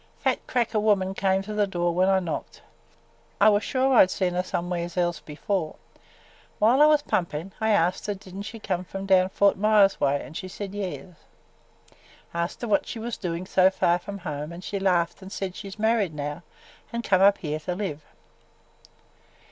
Fat 'cracker' woman come to the door when I knocked. I was sure I 'd seen her somewheres else before. While I was pumpin' I asked her did n't she come from down Fort Myers way an' she said yes. Asked her what she was doin' so far from home an' she laughed an' said she 's married now an' come up here to live.